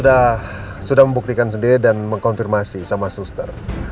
pak aku sudah membuktikan sendiri dan mengkonfirmasi sama suster